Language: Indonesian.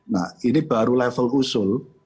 nah ini baru level usul